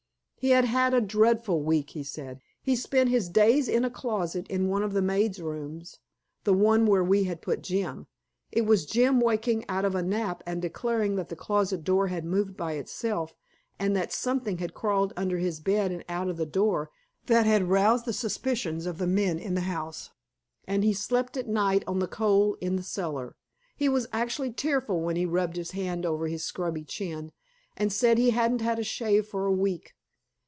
He had had a dreadful week, he said; he spent his days in a closet in one of the maids' rooms the one where we had put Jim. It was Jim waking out of a nap and declaring that the closet door had moved by itself and that something had crawled under his bed and out of the door, that had roused the suspicions of the men in the house and he slept at night on the coal in the cellar. He was actually tearful when he rubbed his hand over his scrubby chin, and said he hadn't had a shave for a week.